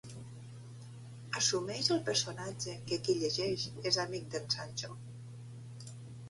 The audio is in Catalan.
Assumeix el personatge que qui llegeix és amic d'en Sancho?